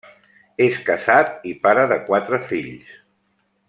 És casat i pare de quatre fills.